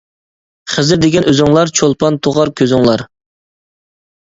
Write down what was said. خىزىر دېگەن ئۆزۈڭلار، چولپان تۇغار كۆزۈڭلار.